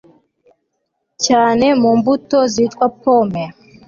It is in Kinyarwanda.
cyane no mu mbuto zitwa 'pommes'